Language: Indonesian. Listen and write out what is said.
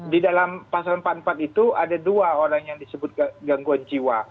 di dalam pasal empat puluh empat itu ada dua orang yang disebut gangguan jiwa